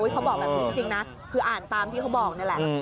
เขาบอกแบบนี้จริงนะคืออ่านตามที่เขาบอกนี่แหละ